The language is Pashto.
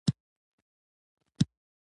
غابي وایي روژه د خدای خوښي راوړي.